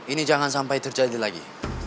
ini jangan sampai terjadi lagi